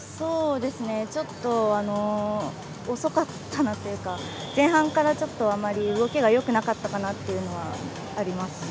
ちょっと遅かったなというか前半からあまり動きがよくなかったのかなというのはあります。